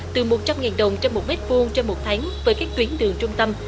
từ một trăm linh đồng trong một m hai trong một tháng với các tuyến đường trung tâm